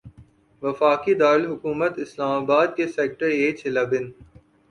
وفاقی دارالحکومت اسلام آباد کے سیکٹر ایچ الیون